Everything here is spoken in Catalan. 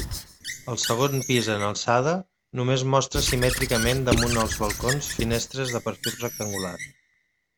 El segon pis en alçada només mostra simètricament damunt dels balcons finestres de perfil rectangular.